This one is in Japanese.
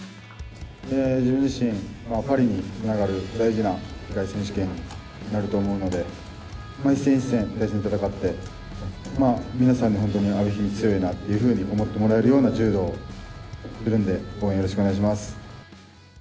自分自身、パリにつながる大事な世界選手権になると思うので、一戦一戦、大事に戦って、皆さんに本当に阿部一二三強いなって思ってもらえるような柔道をするんで、応援よろしくお願いします。